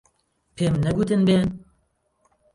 پێم نەگوتن بێن.